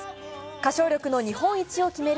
歌唱力の日本一を決める